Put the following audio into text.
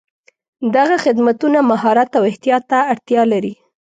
دغه خدمتونه مهارت او احتیاط ته اړتیا لري.